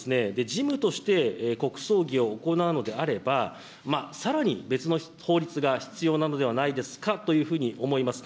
事務として国葬儀を行うのであれば、さらに別の法律が必要なのではないですかというふうに思います。